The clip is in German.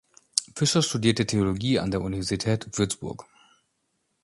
Fischer studierte Theologie an der Universität Würzburg.